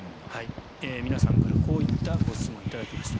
皆さんからこういったご質問頂きました。